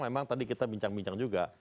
memang tadi kita bincang bincang juga